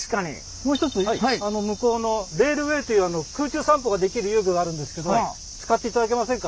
もう一つ向こうのレールウェイという空中散歩ができる遊具があるんですけども使っていただけませんか？